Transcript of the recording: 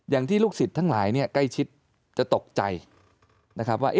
ลูกศิษย์ทั้งหลายเนี่ยใกล้ชิดจะตกใจนะครับว่า